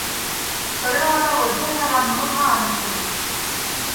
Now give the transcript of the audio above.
कर्ण आता वध्य झाला म्हणून हा आनंद होतो.